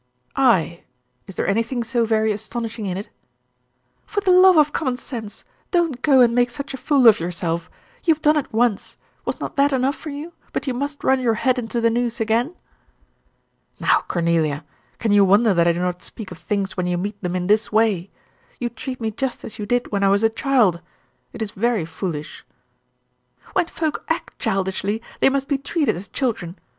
"I. Is there anything so very astonishing in it?" "For the love of common sense, don't go and make such a fool of yourself. You have done it once; was not that enough for you, but you must run your head into the noose again?" "Now, Cornelia, can you wonder that I do not speak of things when you meet them in this way? You treat me just as you did when I was a child. It is very foolish." "When folk act childishly, they must be treated as children.